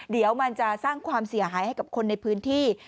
เดี๋ยวมันจะสร้างความเสียหายให้กับคนในพื้นที่